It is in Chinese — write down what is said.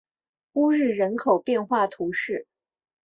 乌日人口变化图示